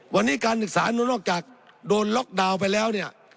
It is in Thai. วันนี้การศึกษานู้นนอกจากโดนล็อกดาวน์ไปแล้ว